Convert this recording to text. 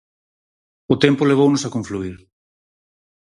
O tempo levounos a confluír.